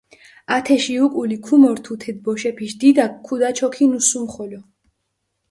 ათეში უკული ქუმორთუ თე ბოშეფიშ დიდაქ, ქუდაჩოქინუ სუმხოლო.